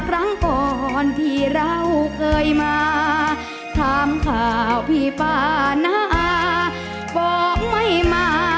รุ่นดนตร์บุรีนามีดังใบปุ่ม